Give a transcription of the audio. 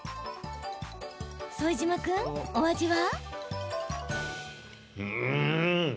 副島君、お味は？